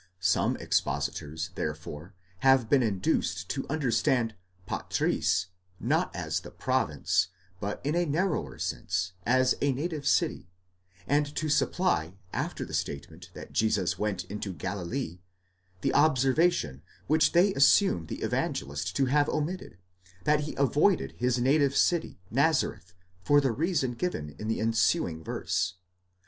Some expositors, therefore, have been induced to understand πατρίς, not as the province, but in a narrower sense, as the native city, and to supply, after the statement that Jesus went into Galilee, the observation, which they assume the Evangelist to have omitted, that he avoided his native city, Nazareth, for the reason given in the ensuing verse.